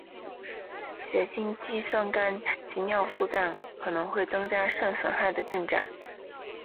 血清肌酸酐及尿素氮可能会增加肾损害的进展。